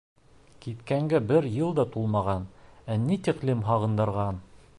Киткәнгә бер йыл да тулмаған, ә ни тиклем һағындырған!